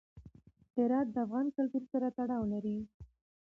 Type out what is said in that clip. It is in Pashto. هرات د افغان کلتور سره تړاو لري.